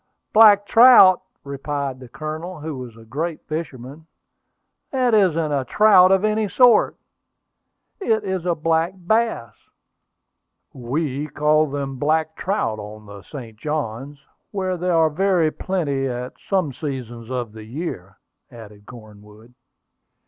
"Black trout!" replied the Colonel, who was a great fisherman. "That isn't a trout of any sort! It is a black bass." "We call them black trout on the St. Johns, where they are very plenty at some seasons of the year," added Cornwood.